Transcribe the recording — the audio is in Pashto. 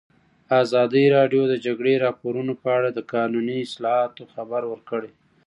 ازادي راډیو د د جګړې راپورونه په اړه د قانوني اصلاحاتو خبر ورکړی.